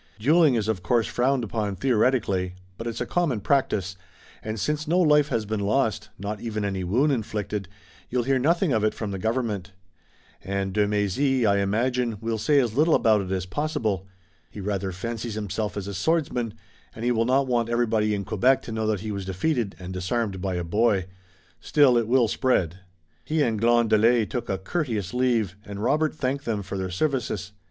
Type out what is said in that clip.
"Dueling is of course frowned upon theoretically, but it's a common practice, and since no life has been lost, not even any wound inflicted, you'll hear nothing of it from the government. And de Mézy, I imagine, will say as little about it as possible. He rather fancies himself as a swordsman, and he will not want everybody in Quebec to know that he was defeated and disarmed by a boy. Still, it will spread." He and Glandelet took a courteous leave, and Robert thanked them for their services.